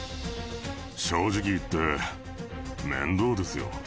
正直言って面倒ですよ